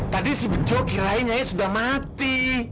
tadi si bejo kirain nyai sudah mati